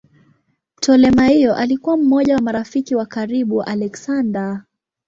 Ptolemaio alikuwa mmoja wa marafiki wa karibu wa Aleksander.